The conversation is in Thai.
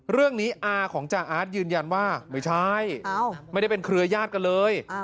เรื่องนี้อาของจ่าอาร์ตยืนยันว่าไม่ใช่ไม่ได้เป็นเครือญาติกันเลย